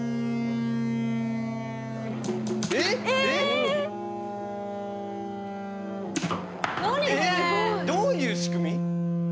ええっ⁉どういう仕組み？